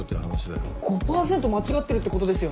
５％間違ってるってことですよね？